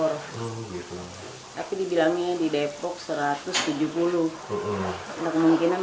tapi aktivitas gimana di bagian ini